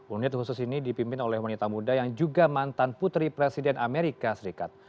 unit khusus ini dipimpin oleh wanita muda yang juga mantan putri presiden amerika serikat